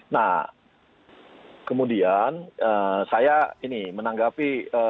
nah kemudian saya ini menanggapi